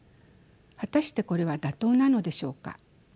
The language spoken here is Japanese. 果たしてこれは妥当なのでしょうか。